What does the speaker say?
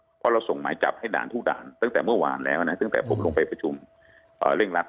เพราะเราส่งหมายจับให้ด่านทุกด่านตั้งแต่เมื่อวานแล้วนะตั้งแต่ผมลงไปประชุมเร่งรัด